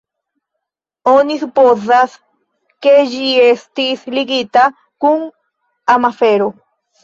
Oni supozas, ke ĝi estis ligita kun amafero.